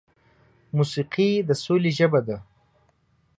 موسیقي د سولې ژبه ده.